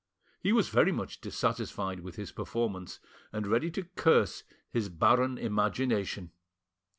He was very much dissatisfied with his performance; and ready to curse his barren imagination.